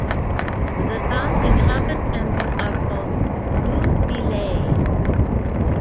The town's inhabitants are called "Trouvillais".